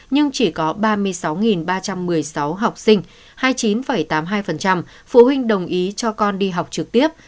nhưng chỉ có ba mươi sáu ba trăm một mươi sáu học sinh hai mươi chín tám mươi hai phụ huynh đồng ý cho con đi học trực tiếp